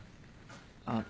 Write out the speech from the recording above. あっ。